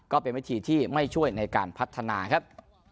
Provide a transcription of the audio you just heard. ก็เป็นวิธีที่ไม่ช่วยในการพัฒนาครับ